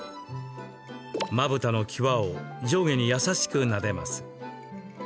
まぶたの際を上下に優しくなでます。